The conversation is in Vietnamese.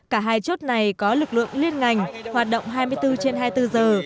cả hai chốt này có lực lượng liên ngành hoạt động hai mươi bốn trên hai mươi bốn giờ